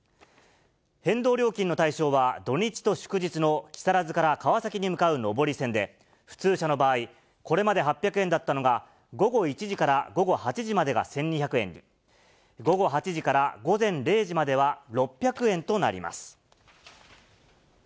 変動料金の対象は、土日と祝日の木更津から川崎に向かう上り線で、普通車の場合、これまで８００円だったのが、午後１時から午後８時までは１２００円に、午後８時から午前０時までは６００円となります。